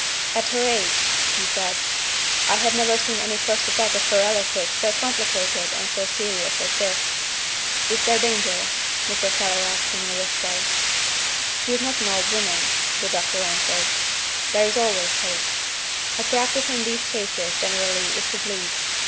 "At her age," he said, "I have never seen any first attack of paralysis so complicated and so serious as this." "Is there danger?" Mr. Keller asked in a whisper. "She is not an old woman," the doctor answered; "there is always hope. The practice in these cases generally is to bleed.